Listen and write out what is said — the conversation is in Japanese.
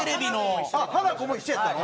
ハナコも一緒やったん？